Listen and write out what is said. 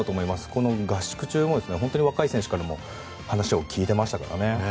この合宿中も若い選手から話を聞いてましたからね。